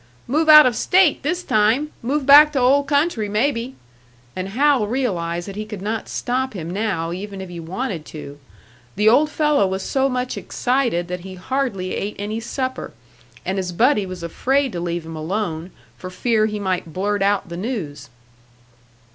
"Move out of state this time! Move back to old country, maybe!" And Hal realised that he could not stop him now, even if he wanted to. The old fellow was so much excited that he hardly ate any supper, and his buddy was afraid to leave him alone, for fear he might blurt out the news.